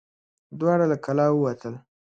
دواړه له کلا ووتل.